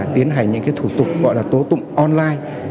tiến hành những cái thủ tục gọi là tố tụng online